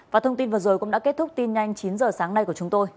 và thông tin vừa rồi cũng đã kết thúc tin nhanh chín h sáng nay của chúng tôi